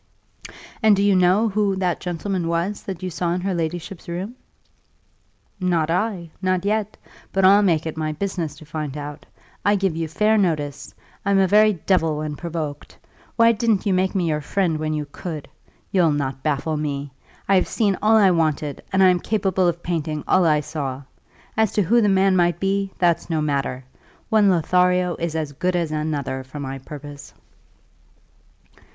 "And do you know who that gentleman was, that you saw in her ladyship's room?" "Not I, not yet; but I'll make it my business to find out. I give you fair notice; I'm a very devil when provoked. Why didn't you make me your friend when you could? You'll not baffle me. I have seen all I wanted, and I am capable of painting all I saw. As to who the man might be, that's no matter; one Lothario is as good as another for my purpose."